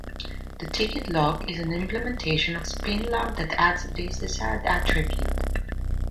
The ticket lock is an implementation of spinlock that adds this desired attribute.